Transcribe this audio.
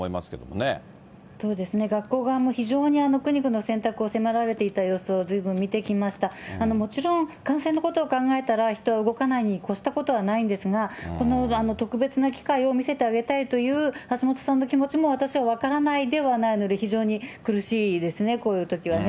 そうですね、学校側も非常に苦肉の策だというのを見てきました、もちろん感染のことを考えたら、人は動かないにこしたことはないんですが、この特別な機会を見せてあげたいという、橋本さんの気持ちも私は分からないではないので、非常に苦しいですね、こういうときはね。